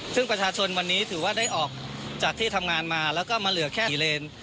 ซึ่งประชาชนวันนี้ถือว่าได้ออกจากที่ทำงานมาแล้วก็มาเหลือแค่กี่เลน